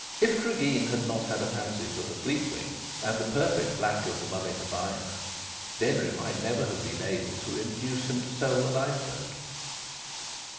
If Cregeen had not had a fancy for the Fleetwing and a perfect lack of the money to buy her, Denry might never have been able to induce him to sell the lifeboat.